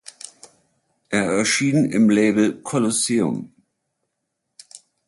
Er erschien im Label Colosseum.